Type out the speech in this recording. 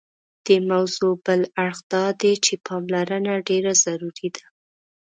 دې موضوع بل اړخ دادی چې پاملرنه ډېره ضروري ده.